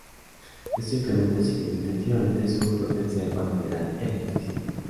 Esto incrementa significativamente su potencial para generar electricidad.